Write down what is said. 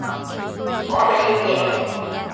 我哋要贏